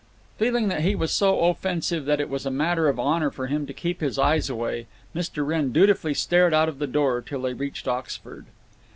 Feeling that he was so offensive that it was a matter of honor for him to keep his eyes away, Mr. Wrenn dutifully stared out of the door till they reached Oxford.